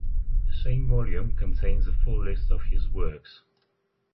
The same volume contains a full list of his works.